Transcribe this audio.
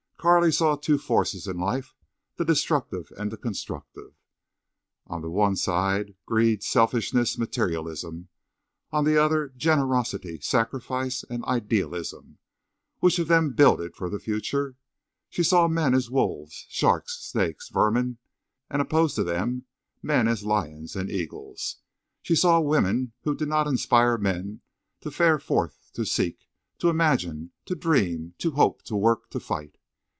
Carley saw two forces in life—the destructive and constructive. On the one side greed, selfishness, materialism: on the other generosity, sacrifice, and idealism. Which of them builded for the future? She saw men as wolves, sharks, snakes, vermin, and opposed to them men as lions and eagles. She saw women who did not inspire men to fare forth to seek, to imagine, to dream, to hope, to work, to fight.